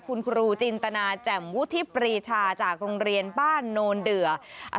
คุณครูจินตนาแจ่มวุฒิปรีชาจากโรงเรียนบ้านโนนเดือ